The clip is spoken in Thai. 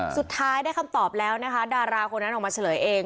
สุดท้ายได้คำตอบแล้วนะคะดาราคนนั้นออกมาเฉลยเอง